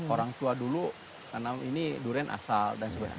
orang tua dulu tanam ini durian asal dan sebagainya